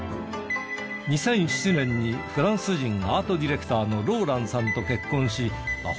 ２００７年にフランス人アートディレクターのローランさんと結婚し眞秀